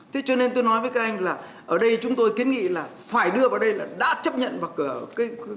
thế cho nên tôi nói với các anh là ở đây chúng tôi kiến nghị là phải đưa vào đây là đã chấp nhận một cửa không được trả lại